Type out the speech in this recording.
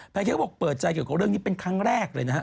เค้กบอกเปิดใจเกี่ยวกับเรื่องนี้เป็นครั้งแรกเลยนะฮะ